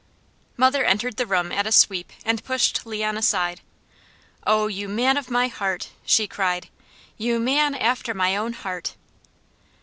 Mother entered the room at a sweep, and pushed Leon aside. "Oh you man of my heart!" she cried. "You man after my own heart!"